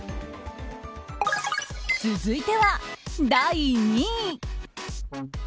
続いては、第２位。